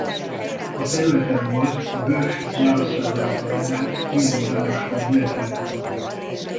A területen volt a Bölcs Jaroszláv által emelt kijevi városfal délkeleti kapuja.